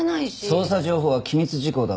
捜査情報は機密事項だから。